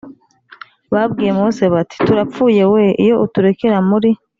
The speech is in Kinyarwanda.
Babwiye mose bati turapfuye wee iyo uturekera muri